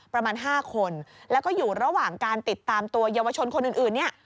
ประมาณ๕คนแล้วก็อยู่ระหว่างการติดตามตัวเยาวชนคนอื่นเนี่ย